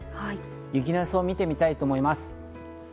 雪の様子をみてみたいと思います。